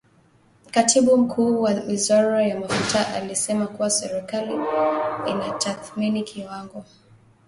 Katibu Mkuu wa Wizara ya Mafuta alisema kuwa serikali inatathmini kiwango